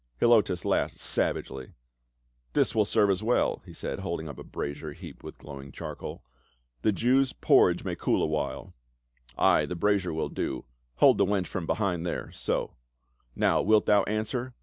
Helotus laughed savagely. "This will serve as "GREAT DIANA OF THE EPHESIANS!" G73 well," he said, holding up a brazier heaped with glow ing charcoal. " The Jew's porridge may cool awhile." " Ay, the brazier will do. Hold the wench from behind there — so. Now wilt thou answer